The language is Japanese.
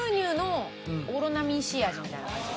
みたいな感じ。